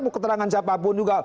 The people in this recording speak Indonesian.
mau keterangan siapapun juga